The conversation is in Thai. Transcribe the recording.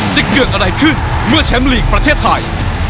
จะเกิดอะไรขึ้นเมื่อแชมป์ลีกประเทศไทย